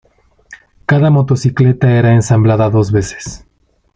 Cada motocicleta era ensamblada dos veces.